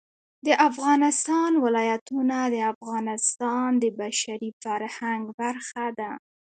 د افغانستان ولايتونه د افغانستان د بشري فرهنګ برخه ده.